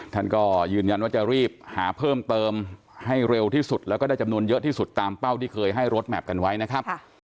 ท่านก็ยืนยันว่าจะรีบหาเพิ่มเติมให้เร็วที่สุดแล้วก็ได้จำนวนเยอะที่สุดตามเป้าที่เคยให้รถแมพกันไว้นะครับ